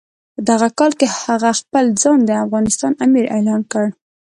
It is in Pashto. په دغه کال هغه خپل ځان د افغانستان امیر اعلان کړ.